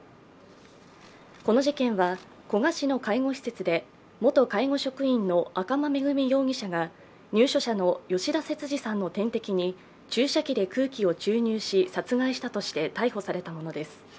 この事件は、古河市の介護施設で元介護職員の赤間恵美容疑者が入所者の吉田節次さんの点滴に注射器で空気を注入し殺害したとして逮捕されたものです。